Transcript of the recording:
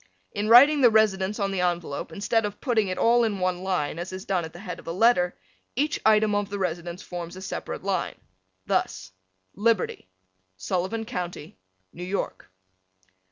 In writing the residence on the envelope, instead of putting it all in one line as is done at the head of a letter, each item of the residence forms a separate line. Thus, Liberty, Sullivan County, New York.